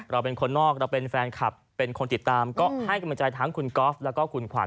เราเป็นคนนอกเราเป็นแฟนคลับเป็นคนติดตามก็ให้กำลังใจทั้งคุณก๊อฟแล้วก็คุณขวัญ